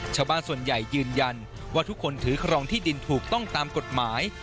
ชาวบ้านส่วนใหญ่ยืนยันว่าทุกคนถือครองที่ดินถูกต้องตามกฎหมาย